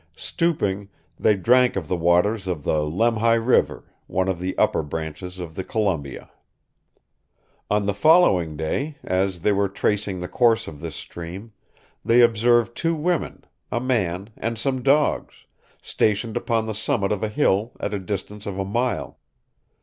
Stooping, they drank of the waters of the Lemhi River, one of the upper branches of the Columbia. On the following day, as they were tracing the course of this stream, they observed two women, a man, and some dogs, stationed upon the summit of a hill at the distance of a mile.